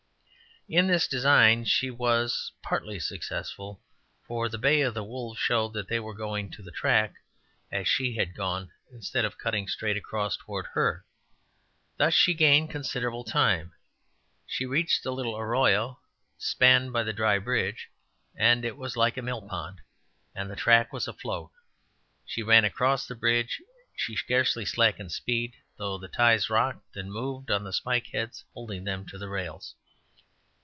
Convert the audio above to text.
In this design she was partly successful, for the bay of the wolves showed that they were going to the track as she had gone, instead of cutting straight across toward her. Thus she gained considerable time. She reached the little arroyo spanned by the dry bridge; it was like a mill pond, and the track was afloat. She ran across the bridge; she scarcely slackened speed, although the ties rocked and moved on the spike heads holding them to the rails.